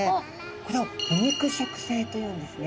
これを腐肉食性というんですね。